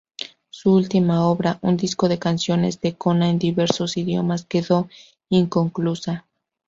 Su última obra, un disco de canciones de cuna en diversos idiomas, quedó inconclusa.